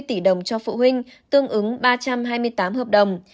bảy trăm bốn mươi tỷ đồng cho phụ huynh tương ứng ba trăm hai mươi tám hợp đồng